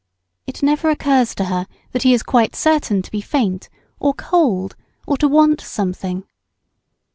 It never occurs to her that he is quite certain to be faint, or cold, or to want something.